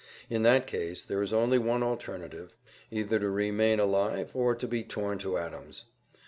In that case there is only one alternative—either to remain alive or be torn to atoms.